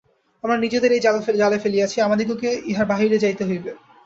আমরা নিজেদের এই জালে ফেলিয়াছি, আমাদিগকে ইহার বাহিরে যাইতে হইবে।